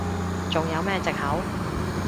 仲有咩藉口？